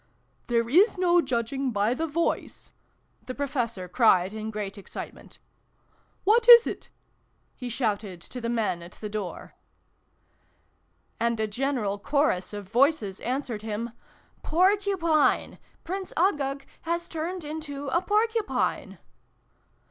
" There is no judging by the voice !" the Professor cried in great excitement. " What is it ?" he shouted to the men at the door. 390 SYLVIE AND BRUNO CONCLUDED. And a general chorus of voices answered him " Porcupine ! Prince Uggug has turned into a Porcupine